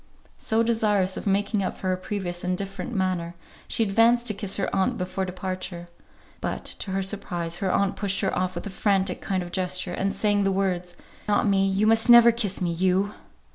So, desirous of making up for her previous indifferent manner, she advanced to kiss her aunt before her departure. But, to her surprise, her aunt pushed her off with a frantic kind of gesture, and saying the words, "Not me. You must never kiss me. You!"